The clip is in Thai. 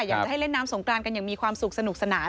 อยากจะให้เล่นน้ำสงกรานกันอย่างมีความสุขสนุกสนาน